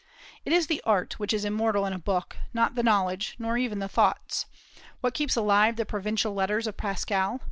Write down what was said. It is the art which is immortal in a book, not the knowledge, nor even the thoughts. What keeps alive the "Provincial Letters" of Pascal?